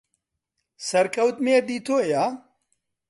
سەرکەوت مێردی تۆیە؟